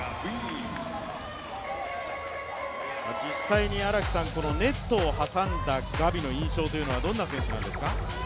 実際にネットを挟んだガビの印象というのはどんな選手なんですか？